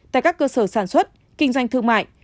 tại các cơ sở sản xuất kinh doanh thương mại